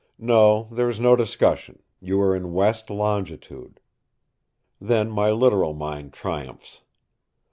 No, there is no discussion; you are in west longitude." Then my literal mind triumphs.